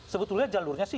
sebetulnya jalurnya sih